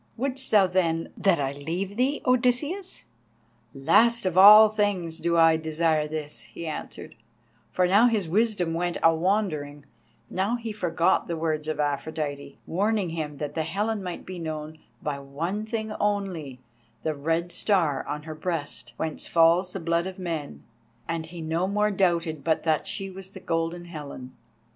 Wouldst thou, then, that I leave thee, Odysseus?" "Last of all things do I desire this," he answered, for now his wisdom went a wandering; now he forgot the words of Aphrodite, warning him that the Helen might be known by one thing only, the Red Star on her breast, whence falls the blood of men; and he no more doubted but that she was the Golden Helen.